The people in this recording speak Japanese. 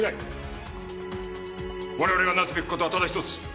我々が成すべき事はただ一つ。